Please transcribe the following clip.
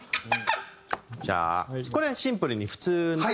じゃあこれはシンプルに普通な。